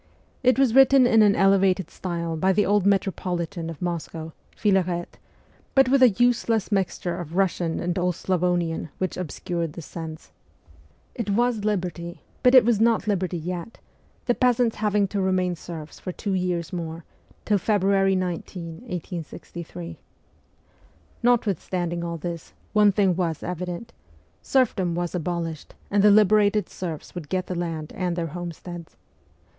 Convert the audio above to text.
It was written in an elevated style by the old metropolitan of Moscow, Philarete, but with a useless mixture of Eussian and old Slavonian which obscured the sense. It was 166 MEMOIRS OF A REVOLUTIONIST liberty ; but it was not liberty yet, the peasants having to remain serfs for two years more, till February 19, 1863. Notwithstanding all this, one thing was evident : serfdom was abolished, and the liberated serfs would get the land and their homesteads.